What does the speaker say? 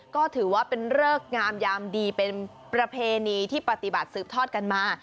ก็ถือว่าเป็นเริกงามยามดีเป็นประเพณีที่ปฏิบัติสืบทอดกันมา